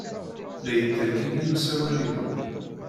La yettergigi usawal-inu.